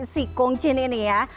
si kung chin ini ya